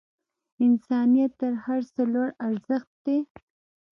انسانیت تر هر څه لوړ ارزښت دی.